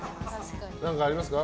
何かありますか？